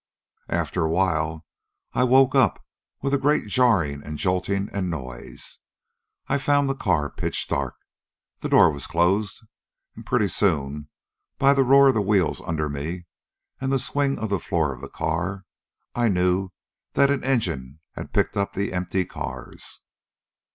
"After a while I woke up with a great jarring and jolting and noise. I found the car pitch dark. The door was closed, and pretty soon, by the roar of the wheels under me and the swing of the floor of the car, I knew that an engine had picked up the empty cars.